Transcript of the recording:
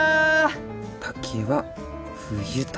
竹は冬と。